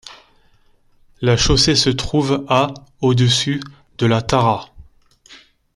La chaussée se trouve à au-dessus de la Tara.